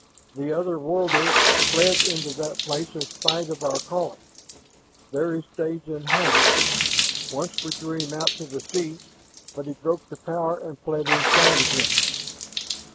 "The other worlder fled into that place in spite of our calling. There he stays in hiding. Once we drew him out to the sea, but he broke the power and fled inside again."